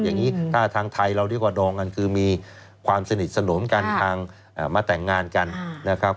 อย่างนี้ถ้าทางไทยเราเรียกว่าดองกันคือมีความสนิทสนมกันทางมาแต่งงานกันนะครับ